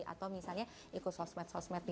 atau misalnya ikut sosmed sosmed